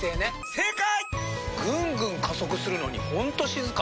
正解！